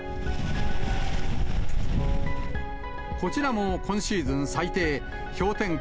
こちらも今シーズン最低、氷点下